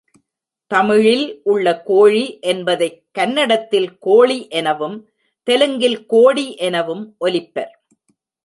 தமிழில் உள்ள கோழி என்பதைக் கன்னடத்தில் கோளி எனவும், தெலுங்கில் கோடி எனவும் ஒலிப்பர்.